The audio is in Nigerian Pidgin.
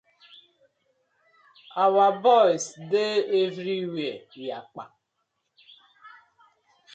Our boyz dey everywhere yakpa.